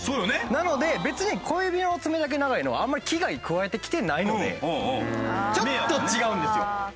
なので別に小指の爪だけ長いのはあまり危害加えてきてないのでちょっと違うんですよ。